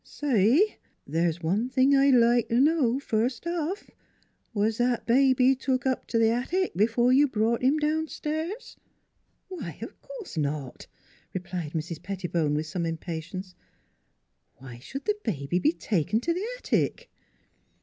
" Say, the's one thing I'd like t' know, first off : Was that baby took up t' th' attic b'fore you brought him downstairs?" " Why, of course not," replied Mrs. Pettibone, with some impatience. " Why should the baby be taken to the attic?